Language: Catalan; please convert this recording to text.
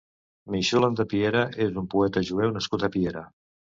Meixulam de Piera és un poeta jueu nascut a Piera.